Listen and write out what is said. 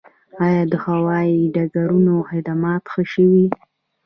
آیا د هوایي ډګرونو خدمات ښه شوي؟